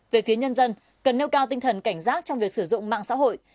về phía nhân dân cần nêu cao tinh thần cảnh giác trong việc sử dụng mạng xã hội